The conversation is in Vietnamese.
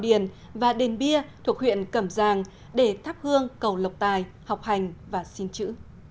mỗi ngày khu di tích văn miếu mao điền và đền bia thuộc huyện cẩm giang để thắp hương cầu lọc tài học hành và xin chữ